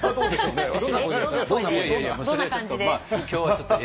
どんな感じで？